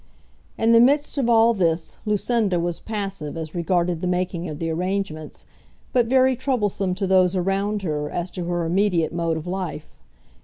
In the midst of all this Lucinda was passive as regarded the making of the arrangements, but very troublesome to those around her as to her immediate mode of life.